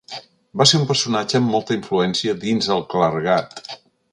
Va ser un personatge amb molta influència dins el clergat.